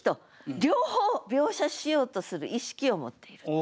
両方描写しようとする意識を持っている。